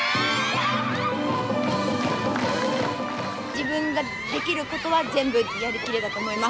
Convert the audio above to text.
自分ができることは全部やりきれたと思います。